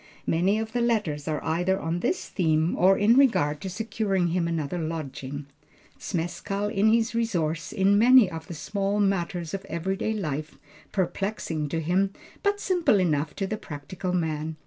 Many of the letters are either on this theme or in regard to securing him another lodging. Zmeskall is his resource in many of the small matters of every day life, perplexing to him, but simple enough to the practical man.